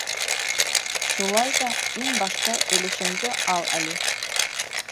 Шулай ҙа иң башта өлөшөңдө ал әле.